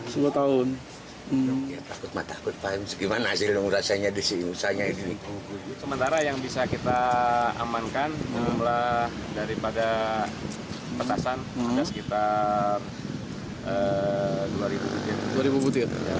sementara yang bisa kita amankan adalah daripada petasan sekitar dua ribu butir